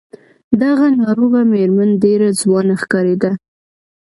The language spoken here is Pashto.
دغه ناروغه مېرمن ډېره ځوانه ښکارېده.